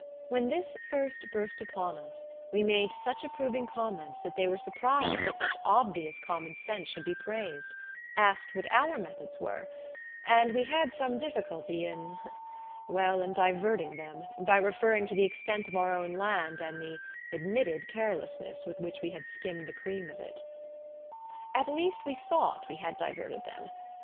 When this first burst upon us we made such approving comments that they were surprised that such obvious common sense should be praised; asked what our methods were; and we had some difficulty in well, in diverting them, by referring to the extent of our own land, and the admitted carelessness with which we had skimmed the cream of it. At least we thought we had diverted them.